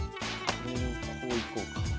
こういこうか。